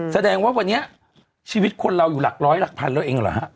แสดงว่าวันนี้ชีวิตคนเราอยู่หลักร้อยหลักพันแล้วเองเหรอฮะ